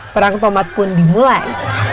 perang tomat pun dimulai